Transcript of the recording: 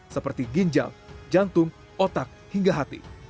seperti ginjal jantung otak hingga hati